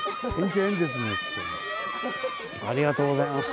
ありがとうございます。